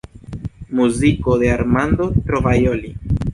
Muziko de Armando Trovajoli.